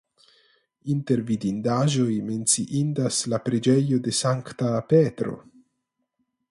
Inter vidindaĵoj menciindas la preĝejo de Sankta Petro.